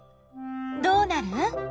どうなる？